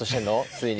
ついに。